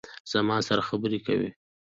زما سره خبرې کوي